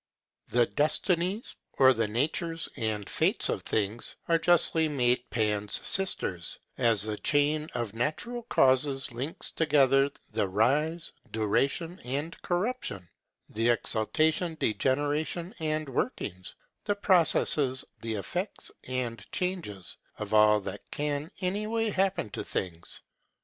The Destinies, or the natures and fates of things, are justly made Pan's sisters, as the chain of natural causes links together the rise, duration, and corruption; the exaltation, degeneration, and workings; the processes, the effects, and changes, of all that can any way happen to things.